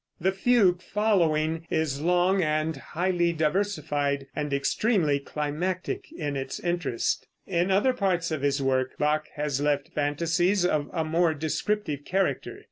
The fugue following is long, highly diversified and extremely climactic in its interest. In other parts of his work Bach has left fantasies of a more descriptive character.